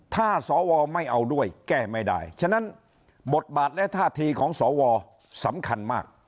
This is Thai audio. ถ้าสวไม่เอาด้วยแก้ไม่ได้ฉะนั้นบทบาทและท่าทีของสวสำคัญมาก